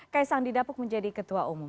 kaisang didapuk menjadi ketua umum